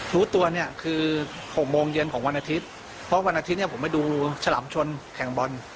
รู้ตัวเนี่ยคือ๖โมงเย็นของวันอาทิตย์เพราะวันอาทิตย์เนี่ยผมไปดูฉลามชนแข่งบอล